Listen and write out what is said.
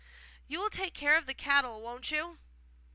'You will take care of the cattle, won't you?